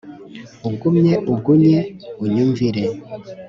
ugumye uvunye unyumvire